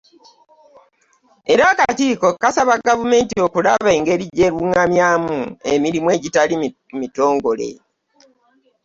Era Akakiiko kasaba Gavumenti okulaba engeri gy’eruŋŋamyamu emirimu egitali mitongole.